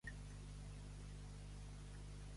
Merda de diable.